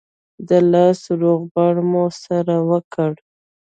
د لاس روغبړ مو سره وکړ.